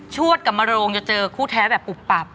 วดกับมโรงจะเจอคู่แท้แบบปุบปับ